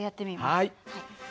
はい。